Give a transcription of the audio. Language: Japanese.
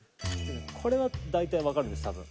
これは大体わかるんです多分。